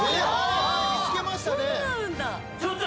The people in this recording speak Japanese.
見つけましたね。